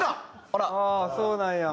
ああそうなんや。